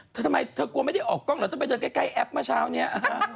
ทำไมเธอกลัวไม่ได้ออกกล้องเหรอต้องไปเดินใกล้แอปเมื่อเช้านี้